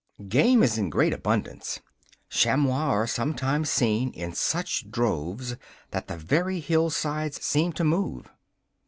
Game is in great abundance. Chamois are sometimes seen in such droves that the very hillsides seem to move.